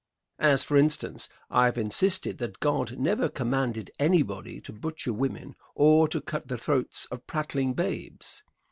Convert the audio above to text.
As, for instance, I have insisted that God never commanded anybody to butcher women or to cut the throats of prattling babes.